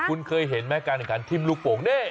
คุณเคยเห็นไหมการแข่งขันทิ้มลูกโป่งนี่